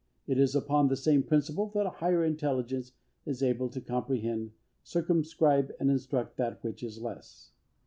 It is upon the same principle that a higher intelligence is able to comprehend, circumscribe, and instruct that which is less.